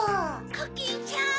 コキンちゃん！